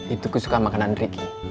itu gue suka makanan riki